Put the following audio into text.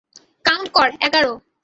Count কর এগারো।